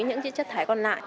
những chất thải còn lại